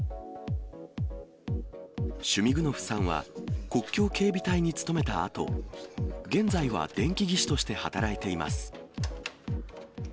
シュミグノフさんは国境警備隊に勤めたあと、現在は電気技師として働いています。